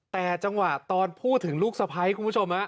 แต่จังหวะตอนพูดถึงลูกสะพ้ายคุณผู้ชม